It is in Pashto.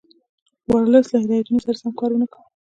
ورلسټ له هدایتونو سره سم کار ونه کړ.